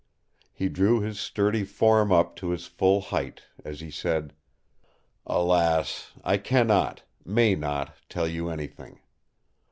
He drew his sturdy form up to his full height as he said: "Alas! I cannot, may not, tell you anything.